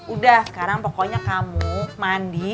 udah sekarang pokoknya kamu mandi